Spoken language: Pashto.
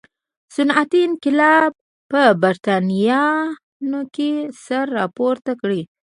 صنعتي انقلاب په برېټانیا کې سر راپورته کړي.